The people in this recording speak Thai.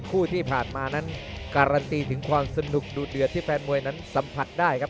คู่ที่ผ่านมานั้นการันตีถึงความสนุกดูดเดือดที่แฟนมวยนั้นสัมผัสได้ครับ